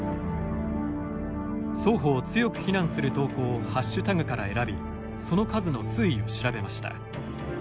双方を強く非難する投稿をハッシュタグから選びその数の推移を調べました。